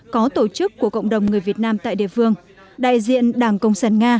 có tổ chức của cộng đồng người việt nam tại địa phương đại diện đảng cộng sản nga